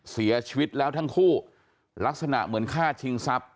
เสียชีวิตแล้วทั้งคู่ลักษณะเหมือนฆ่าชิงทรัพย